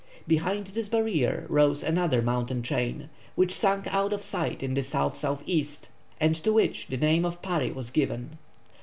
Behind this barrier rose another mountain chain, which sunk out of sight in the S.S.E., and to which the name of Parry was given.